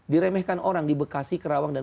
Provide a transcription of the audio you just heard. diremehkan orang di bekasi kerawang dan